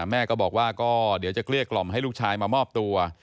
แม่ก็บอกว่าก็เดี๋ยวจะเกลี้ยกล่อมให้ลูกชายมามอบตัว